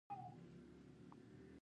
دې حالت د نویو اړیکو غوښتنه کوله.